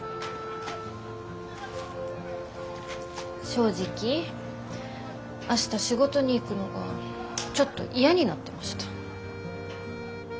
正直明日仕事に行くのがちょっと嫌になってました。